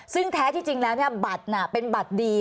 ซึ่งแท้ที่จริงแล้วบัตรเป็นบัตรดี